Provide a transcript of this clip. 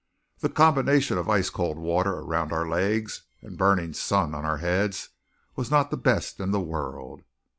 The combination of ice cold water around our legs and burning sun on our heads was not the best in the world.